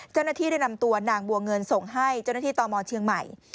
เจ้าหน้าที่ได้นำตัวนางบัวเงินส่งให้เจ้าหน้าที่ตมเชียงใหม่